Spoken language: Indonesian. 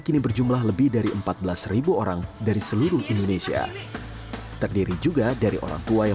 kini berjumlah lebih dari empat belas orang dari seluruh indonesia terdiri juga dari orangtua yang